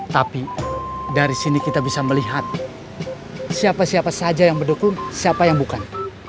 tapi dari sini kita bisa melihat siapa siapa saja yang mendukung siapa yang bukan